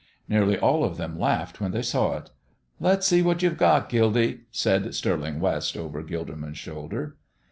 Nearly all of them laughed when they saw it. "Let's see what you've got, Gildy?" said Stirling West, over Gilderman's shoulder.